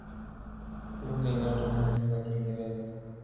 Lugha inayotumiwa ni hasa Kiingereza.